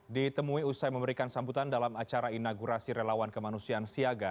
ditemui usai memberikan sambutan dalam acara inaugurasi relawan kemanusiaan siaga